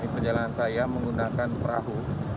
perjalanan saya menggunakan perahu